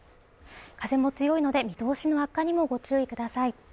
風も強いので見通しの悪化にもご注意ください